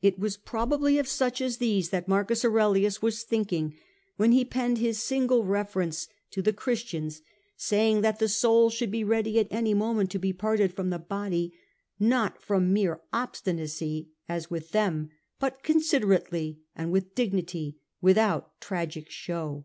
It was probably of such as these that Marcus Aurelius was thinking when he penned his single reference to the CH. VI. 138 The Age of the A ntonines. Christians, saying that the soul should be ready at any moment to be parted from the body, not from mere obstinacy as with them, but considerately and with dignity ^ without tragic show.